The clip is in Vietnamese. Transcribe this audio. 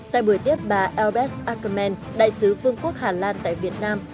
tại buổi tiếp bà elbess ackerman đại sứ phương quốc hà lan tại việt nam